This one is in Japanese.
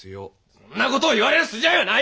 そんなことを言われる筋合いはない！